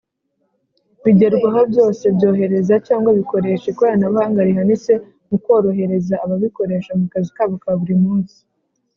Bigerwaho byose byohereza cyangwa bikoresha ikoranabuhanga rihanitse mukorohereza ababikoresha mu kazi kabo ka buri munsi.